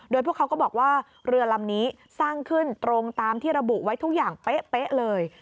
โดยพวกเขาก็บอกว่าเรือลำนี้สร้างขึ้นตรงตามที่ระบุไว้ทุกอย่างเป๊ะเลย